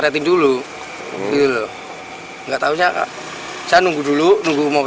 tidak ada yang menanggap